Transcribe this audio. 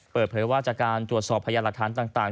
เปิดเผยว่าจากการตรวจสอบพยานหลักฐานต่าง